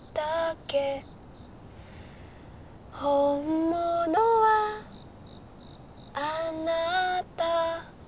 「本物はあなた」